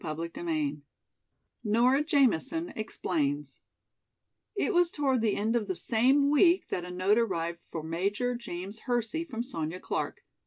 CHAPTER XX Nora Jamison Explains IT was toward the end of the same week that a note arrived for Major James Hersey from Sonya Clark.